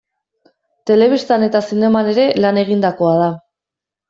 Telebistan eta zineman ere lan egindakoa da.